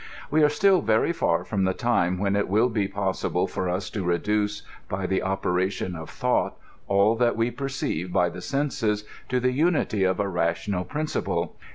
We are still very far from the time when i% will be possi ble for us to reduce, by the operation of thought, all that we perceive by the senses, to the unity of a rational principle.